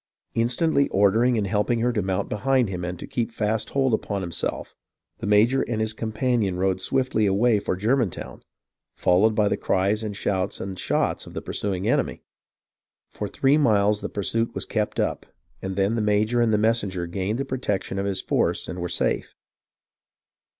Instantly ordering and helping her to mount behind him and to keep fast hold upon himself, the major and his companion rode swiftly away for Germantown, followed by the cries and shouts and shots of the pursuing enemy. For three miles the pursuit was kept up, and then the major and the messenger gained the protection of his force and were safe.